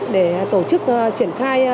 để tổ chức triển khai